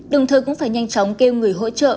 đồng thời cũng phải nhanh chóng kêu người hỗ trợ